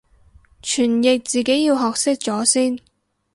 傳譯自己要學識咗先